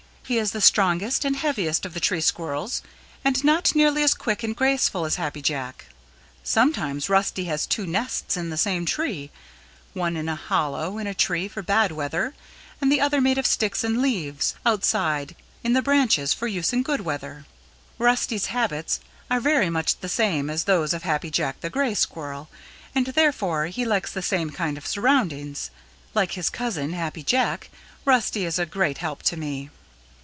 He is the strongest and heaviest of the Tree Squirrels and not nearly as quick and graceful as Happy Jack. Sometimes Rusty has two nests in the same tree, one in a hollow in a tree for bad weather and the other made of sticks and leaves outside in the branches for use in good weather. Rusty's habits are very much the same as those of Happy Jack the Gray Squirrel, and therefore he likes the same kind of surroundings. Like his cousin, Happy Jack, Rusty is a great help to me."